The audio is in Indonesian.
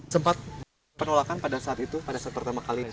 sempat penolakan pada saat itu pada saat pertama kali